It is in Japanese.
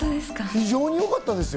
非常によかったですよ。